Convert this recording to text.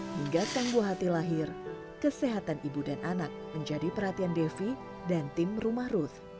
hingga tangguh hati lahir kesehatan ibu dan anak menjadi perhatian devi dan tim rumah ruth